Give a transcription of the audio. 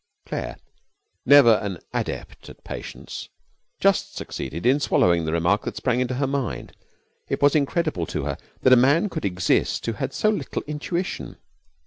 Claire, never an adept at patience, just succeeded in swallowing the remark that sprang into her mind. It was incredible to her that a man could exist who had so little intuition.